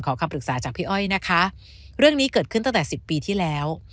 คำปรึกษาจากพี่อ้อยนะคะเรื่องนี้เกิดขึ้นตั้งแต่สิบปีที่แล้ว